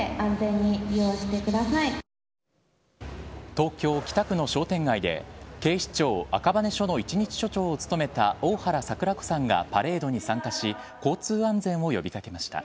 東京・北区の商店街で警視庁赤羽署の一日署長を務めた大原櫻子さんがパレードに参加し交通安全を呼び掛けました。